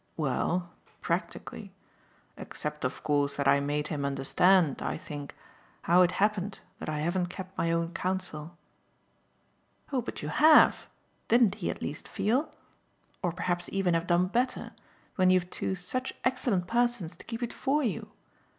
"Well, practically; except of course that I made him understand, I think, how it happened that I haven't kept my own counsel." "Oh but you HAVE didn't he at least feel? or perhaps even have done better, when you've two such excellent persons to keep it FOR you.